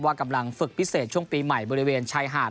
กำลังฝึกพิเศษช่วงปีใหม่บริเวณชายหาด